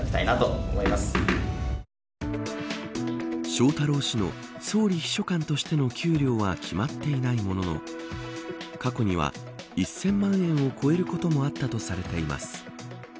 翔太郎氏の総理秘書官としての給料は決まっていないものの過去には１０００万円を超えることもあったとされています。